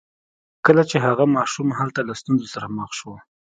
کله چې هغه ماشوم هلته له ستونزو سره مخ شو